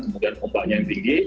kemudian ombaknya yang tinggi